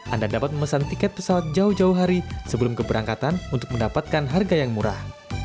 anda dapat memesan tiket pesawat jauh jauh hari sebelum keberangkatan untuk mendapatkan harga yang murah